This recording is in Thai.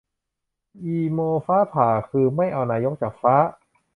อีโม ฟ้าผ่า คือ ไม่เอานายกจากฟ้า